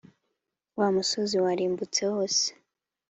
wa musozi warimbutse wose